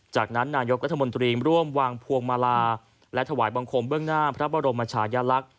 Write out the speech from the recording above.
จากนั้นนายกรัฐมนตรีร่วมวางพวงมาลาและถวายบังคมเบื้องหน้าพระบรมชายลักษณ์